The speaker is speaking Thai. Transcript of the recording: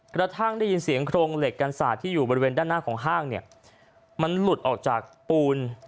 กระทั่งได้ยินเสียงโครงเหล็กกันสาดที่อยู่บริเวณด้านหน้าของห้างเนี่ยมันหลุดออกจากปูน